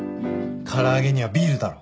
唐揚げにはビールだろ